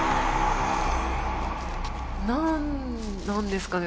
何なんですかね？